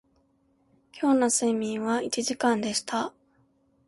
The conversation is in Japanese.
今日の睡眠は一時間でした